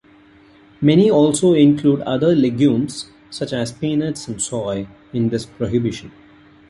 Many also include other legumes, such as peanuts and soy, in this prohibition.